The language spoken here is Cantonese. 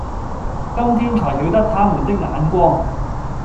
今天纔曉得他們的眼光，